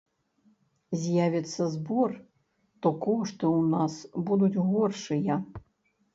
З'явіцца збор, то кошты ў нас будуць горшыя.